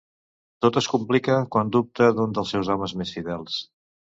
Tot es complica quan dubte d'un dels seus homes més fidels.